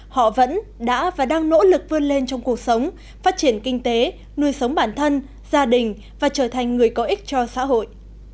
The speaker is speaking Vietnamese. họ vẫn đã và đang nỗ lực vươn lên trong cuộc sống phát triển kinh tế nuôi sống bản thân gia đình và trở thành người có ích cho xã hội